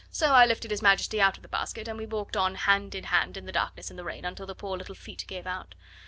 So I lifted His Majesty out of the basket and we walked on hand in hand in the darkness and the rain until the poor little feet gave out.